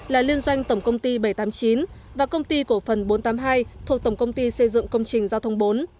là liên doanh tổng công ty bảy trăm tám mươi chín và công ty cổ phần bốn trăm tám mươi hai thuộc tổng công ty xây dựng công trình giao thông bốn